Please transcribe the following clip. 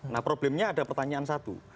nah problemnya ada pertanyaan satu